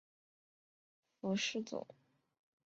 富士冢是富士信仰模仿富士山营造的人工的山或冢。